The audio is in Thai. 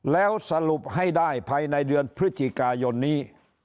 แล้วสรุปให้ได้ภายในเดือนพฤศจิกายนนี้